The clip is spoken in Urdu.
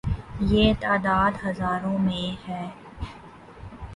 یہ تعداد ہزاروں میں ہے۔